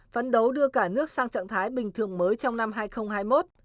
phấn đấu đưa cả nước sang trạng thái bình thường mới trong năm hai nghìn hai mươi một